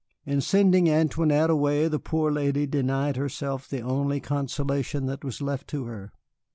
In sending Antoinette away the poor lady denied herself the only consolation that was left to her.